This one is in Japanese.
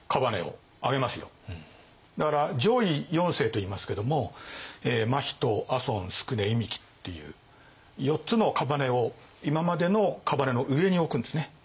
だから上位四姓といいますけども真人朝臣宿忌寸っていう４つの姓を今までの姓の上に置くんですね。